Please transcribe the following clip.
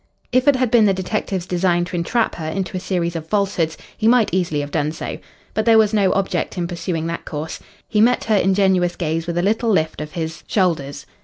If it had been the detective's design to entrap her into a series of falsehoods he might easily have done so. But there was no object in pursuing that course. He met her ingenuous gaze with a little lift of his shoulders.